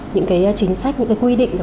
những cái chính sách những cái quy định